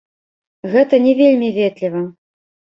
Гэта не вельмі ветліва.